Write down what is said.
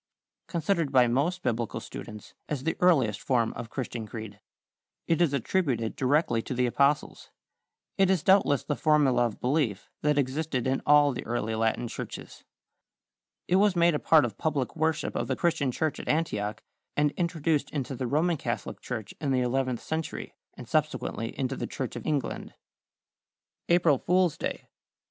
= Considered by most Biblical students as the earliest form of Christian creed. It is attributed directly to the Apostles. It is doubtless the formula of belief that existed in all the early Latin churches. It was made a part of public worship of the Christian church at Antioch, and introduced into the Roman Catholic Church in the eleventh century, and subsequently into the Church of England. =April Fool's Day.